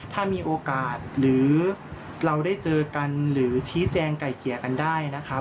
ถ้ามีโอกาสหรือเราได้เจอกันหรือชี้แจงไก่เกลี่ยกันได้นะครับ